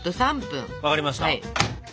分かりました。